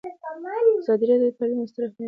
ازادي راډیو د تعلیم ستر اهميت تشریح کړی.